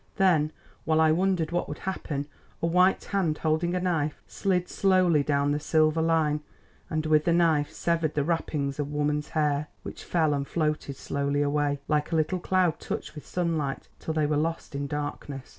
Then while I wondered what would happen, a white hand holding a knife slid slowly down the silver line, and with the knife severed the wrappings of woman's hair, which fell and floated slowly away, like a little cloud touched with sunlight, till they were lost in darkness.